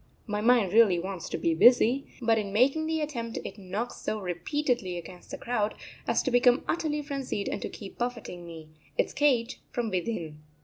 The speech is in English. My mind really wants to be busy, but in making the attempt it knocks so repeatedly against the crowd as to become utterly frenzied and to keep buffeting me, its cage, from within.